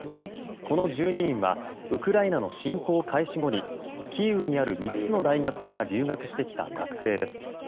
この１２人はウクライナの侵攻開始後にキーウにある３つの大学から留学してきた学生です。